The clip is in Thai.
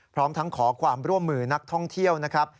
พร้อมทั้งขอความร่วมมือนักท่องเที่ยวนะครับ